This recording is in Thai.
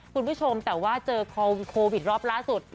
คุณผู้ชมแต่ว่าเจอโควิดรอบล่าสุด